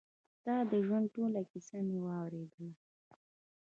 ستا د ژوند ټوله کيسه مې واورېدله.